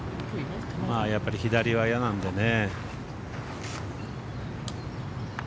やっぱり左は嫌なんだね。